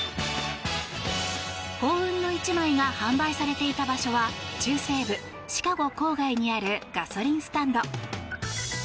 幸運の１枚が販売されていた場所は、中西部シカゴ郊外にあるガソリンスタンド。